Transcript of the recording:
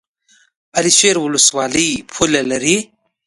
علي شیر ولسوالۍ پوله لري؟